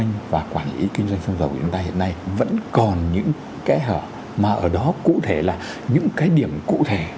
nhưng và quản lý kinh doanh xăng dầu của chúng ta hiện nay vẫn còn những kẽ hở mà ở đó cụ thể là những cái điểm cụ thể